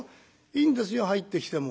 「いいんですよ入ってきても。